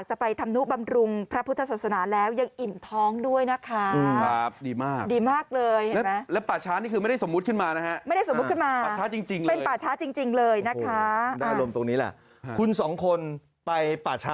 กลุ่มคือคุณสองคนไปปาชะมาร์เก็ตส่วนต่อไป